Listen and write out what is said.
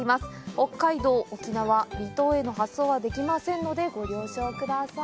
北海道、沖縄、離島への発送はできませんのでご了承ください。